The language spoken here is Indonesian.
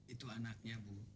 itu anaknya bu